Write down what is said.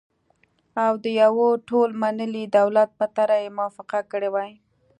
او د يوه ټول منلي دولت په طرحه یې موافقه کړې وای،